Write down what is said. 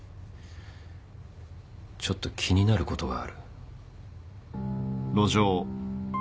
ちょっと気になることがある。